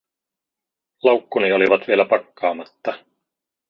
Laukkuni olivat vielä pakkaamatta.